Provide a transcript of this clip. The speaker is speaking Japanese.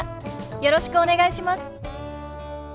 よろしくお願いします。